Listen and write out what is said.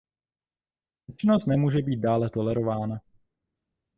Nečinnost nemůže být dále tolerována.